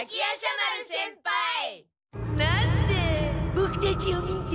ボクたちを見て。